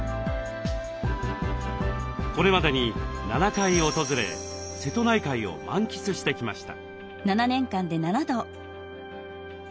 これまでに７回訪れ瀬戸内海を満喫してきました。